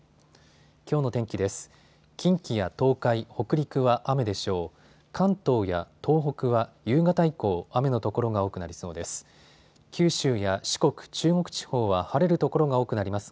きょうの天気です。